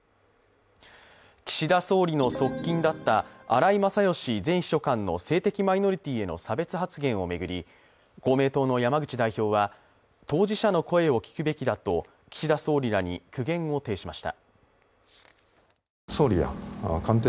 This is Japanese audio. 岸田総理の側近だった荒井勝喜前総理秘書官の性的マイノリティーへの差別発言を巡り公明党の山口代表は、当事者の声を聞くべきだと、岸田総理らに苦言を呈しました。